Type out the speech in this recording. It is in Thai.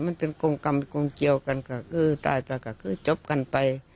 มันเป็นกรงกรรมกงเกี่ยวกันก็คือตายไปก็คือจบกันไป